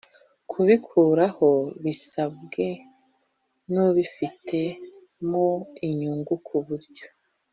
kubikuraho bisabwe n ubifitemo inyungu mu buryo